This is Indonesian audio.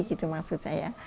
gitu maksud saya